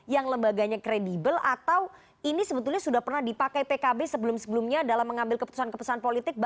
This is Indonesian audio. yang lembaganya kredibel atau ini sebetulnya sudah pernah dipakai pkb sebelum sebelumnya dalam mengambil keputusan keputusan politik